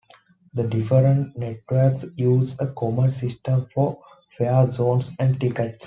The different networks use a common system for fare zones and tickets.